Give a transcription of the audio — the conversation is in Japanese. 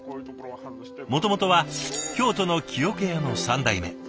もともとは京都の木桶屋の３代目。